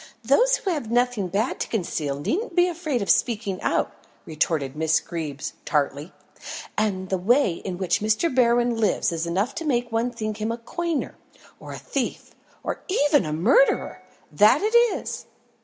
"Those who have nothing bad to conceal needn't be afraid of speaking out," retorted Miss Greeb tartly. "And the way in which Mr. Berwin lives is enough to make one think him a coiner, or a thief, or even a murderer that it is!"